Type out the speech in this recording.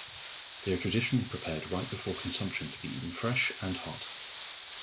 They are traditionally prepared right before consumption to be eaten fresh and hot.